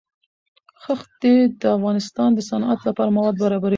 ښتې د افغانستان د صنعت لپاره مواد برابروي.